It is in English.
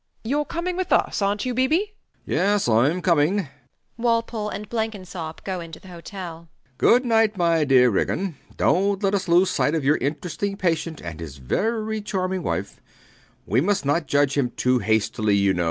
Youre coming with us, arnt you, B. B.? B. B. Yes: I'm coming. [Walpole and Blenkinsop go into the hotel]. Good night, my dear Ridgeon [shaking hands affectionately]. Dont let us lose sight of your interesting patient and his very charming wife. We must not judge him too hastily, you know.